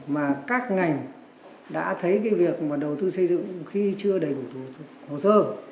mà các ngành đã thấy cái việc mà đầu tư xây dựng khi chưa đầy đủ hồ sơ